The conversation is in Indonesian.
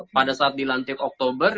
pada saat dilantik oktober